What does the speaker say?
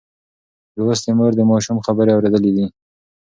لوستې مور د ماشوم خبرې اورېدلي کوي.